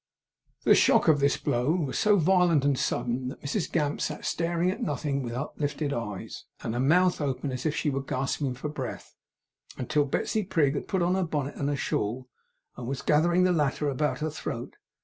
The shock of this blow was so violent and sudden, that Mrs Gamp sat staring at nothing with uplifted eyes, and her mouth open as if she were gasping for breath, until Betsey Prig had put on her bonnet and her shawl, and was gathering the latter about her throat.